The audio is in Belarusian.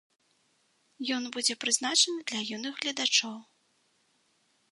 Ён будзе прызначаны для юных гледачоў.